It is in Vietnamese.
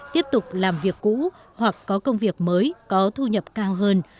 tiếp tục làm việc cũ hoặc có công việc mới có thu nhập cao hơn